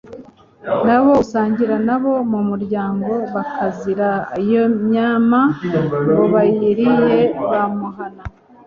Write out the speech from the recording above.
nabo asangira nabo mu muryango, bakazira iyo nyama, ngo bayiriye bamuhana